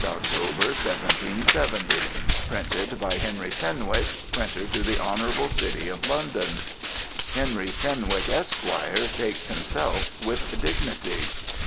October, 1770 Printed by Henry Fenwick, Printer to the Honorable City of London." Henry Fenwick, Esq., takes himself with dignity.